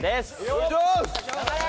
お願いします！